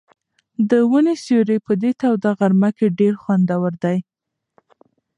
د ونو سیوری په دې توده غرمه کې ډېر خوندور دی.